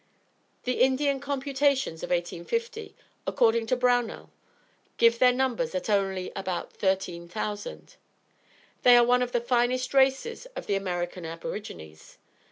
The Indian computations of 1850, according to Brownell, give their numbers at only about thirteen thousand. They are one of the finest races of the American Aborigines.